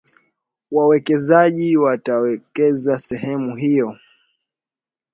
wawekezaji watawekeza sehemu hiyo